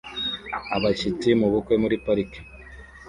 Abashyitsi mu bukwe muri parike